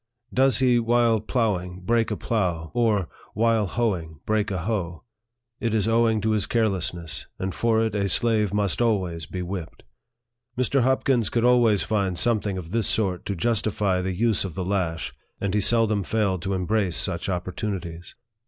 Does he, while ploughing, break a plough, or, while hoeing, break a hoe ? It is owing to his carelessness, and for it a slave must always be whipped. Mr. Hopkins could always find something of this sort to justify the use of the lash, and he seldom failed to embrace such opportunities.